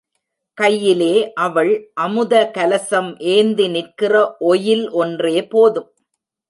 கையிலே அவள் அமுத கலசம் ஏந்தி நிற்கிற ஒயில் ஒன்றே போதும்.